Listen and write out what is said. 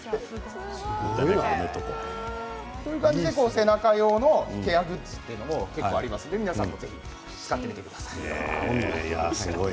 背中用のケアグッズというのも結構ありますので使ってみてください。